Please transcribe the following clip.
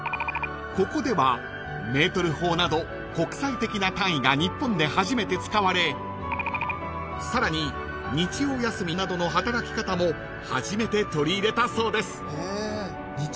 ［ここではメートル法など国際的な単位が日本で初めて使われさらに日曜休みなどの働き方も初めて取り入れたそうです］